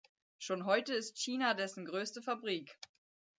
Schon heute ist China dessen größte Fabrik.